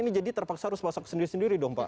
ini jadi terpaksa harus masuk sendiri sendiri dong pak